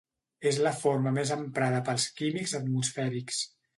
És la forma més emprada pels químics atmosfèrics.